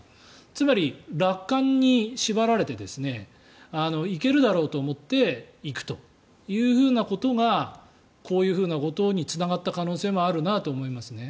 つまり、楽観に縛られて行けるだろうと思って行くということがこういうことにつながった可能性もあるなと思いますね。